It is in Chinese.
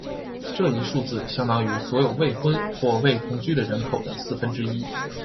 这一数字相当于所有未婚或未同居的人口的四分之一。